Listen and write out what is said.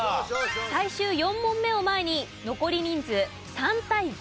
最終４問目を前に残り人数３対５です。